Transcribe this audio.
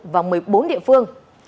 và một mươi bốn địa phương